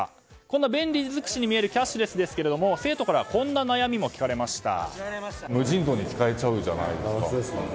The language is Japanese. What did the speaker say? こんな便利尽くしに見えるキャッシュレスですが生徒からはこんな悩みも聞かれました。